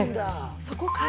そこから？